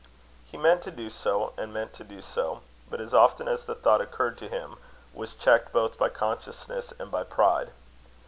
He meant to do so, and meant to do so; but, as often as the thought occurred to him, was checked both by consciousness and by pride.